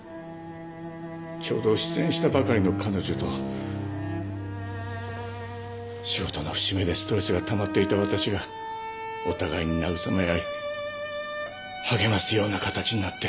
ちょうど失恋したばかりの彼女と仕事の節目でストレスがたまっていたわたしがお互いに慰め合い励ますような形になって。